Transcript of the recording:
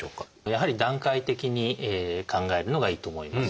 やはり段階的に考えるのがいいと思います。